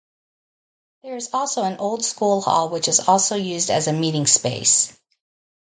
There is also an old school hall which is also used as a meeting-space.